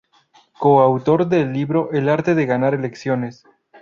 Co-autor del libro El Arte de Ganar Elecciones.